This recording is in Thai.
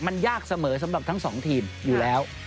มันยากเสมอสำหรับทั้งสองทีมอยู่แล้ว